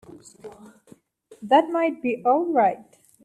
That might be all right.